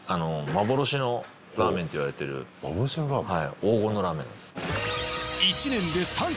幻のラーメン？